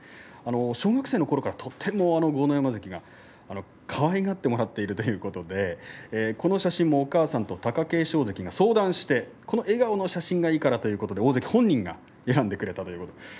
小学生のころからとっても豪ノ山関、かわいがってもらっているということでこの写真もお母さんと貴景勝関が相談してこの笑顔の写真がいいからということで大関本人が選んでくれたということです。